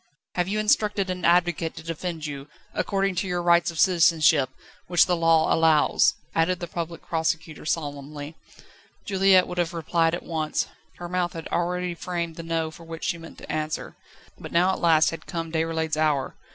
"Have you instructed an advocate to defend you, according to your rights of citizenship, which the Law allows?" added the Public Prosecutor solemnly. Juliette would have replied at once; her mouth had already framed the No with which she meant to answer. But now at last had come Déroulède's hour.